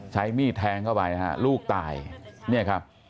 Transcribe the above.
ใช้มีดแทงเข้าไปฮะลูกตายเนี่ยครับ